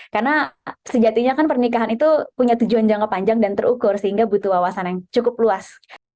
karena sejatinya kan pernikahan itu punya tujuan jangka panjang dan terukur sehingga butuh wawasan yang cukup luas